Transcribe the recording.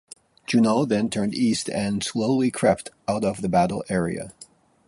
"Juneau" then turned east and slowly crept out of the battle area.